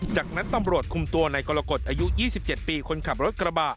จากนั้นตำรวจคุมตัวในกรกฎอายุ๒๗ปีคนขับรถกระบะ